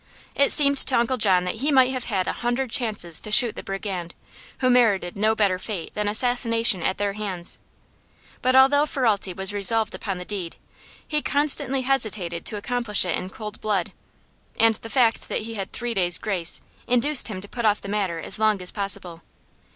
It seemed to Uncle John that he might have had a hundred chances to shoot the brigand, who merited no better fate than assassination at their hands; but although Ferralti was resolved upon the deed he constantly hesitated to accomplish it in cold blood, and the fact that he had three days grace induced him to put off the matter as long as possible.